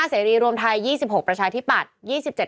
เสรีรวมไทย๒๖ประชาธิปัตย์